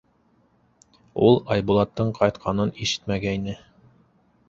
Ул Айбулаттың ҡайтҡанын ишетмәгәйне.